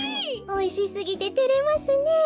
おいしすぎててれますねえ。